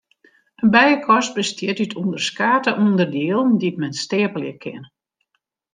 In bijekast bestiet út ûnderskate ûnderdielen dy't men steapelje kin.